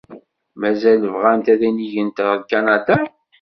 Mazal bɣant ad inigent ɣer Kanada?